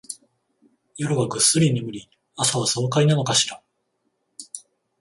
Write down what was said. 夜はぐっすり眠り、朝は爽快なのかしら